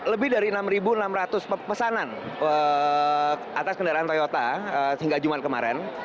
lebih dari enam enam ratus pesanan atas kendaraan toyota sehingga jumat kemarin